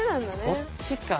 そっちか。